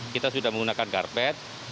kita sudah menggunakan karpet